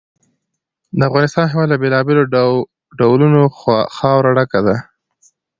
د افغانستان هېواد له بېلابېلو ډولونو خاوره ډک دی.